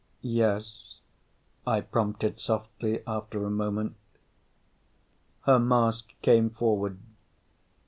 "Yes?" I prompted softly after a moment. Her mask came forward.